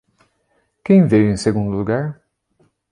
Quem veio em segundo lugar?